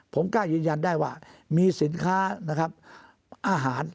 ผมกล้ายืนยันได้ว่ามีสินค้านะครับอาหาร